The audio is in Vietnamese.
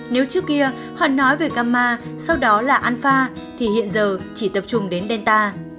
nếu trước kia họ nói về kama sau đó là alpha thì hiện giờ chỉ tập trung đến delta